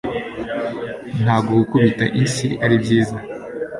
Ntabwo gukubita inshyi aribyiza